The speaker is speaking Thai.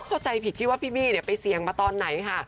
เข้าใจผิดคิดว่าพี่บี้ไปเสี่ยงมาตอนไหนค่ะ